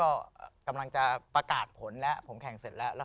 เอ๋อกำลังจะปรากวดผมแล้วผมแข่งเสร็จแล้ว